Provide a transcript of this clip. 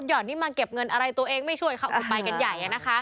แล้วต้องได้รถหย่อนที่มาเก็บเงินอะไรตัวเองไม่ช่วยเขาอุดไปกันใหญ่